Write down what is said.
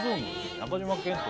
中島健人